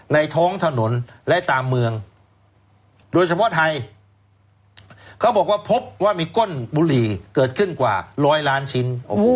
ในท้องถนนและตามเมืองโดยเฉพาะไทยเขาบอกว่าพบว่ามีก้นบุหรี่เกิดขึ้นกว่าร้อยล้านชิ้น